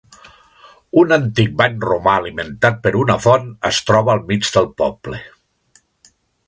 Un antic bany romà alimentat per una font es troba al mig del poble.